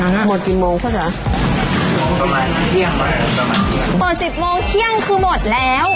สมัครเที่ยงสมัครเที่ยงเปิดสิบโมงเที่ยงคือหมดแล้ว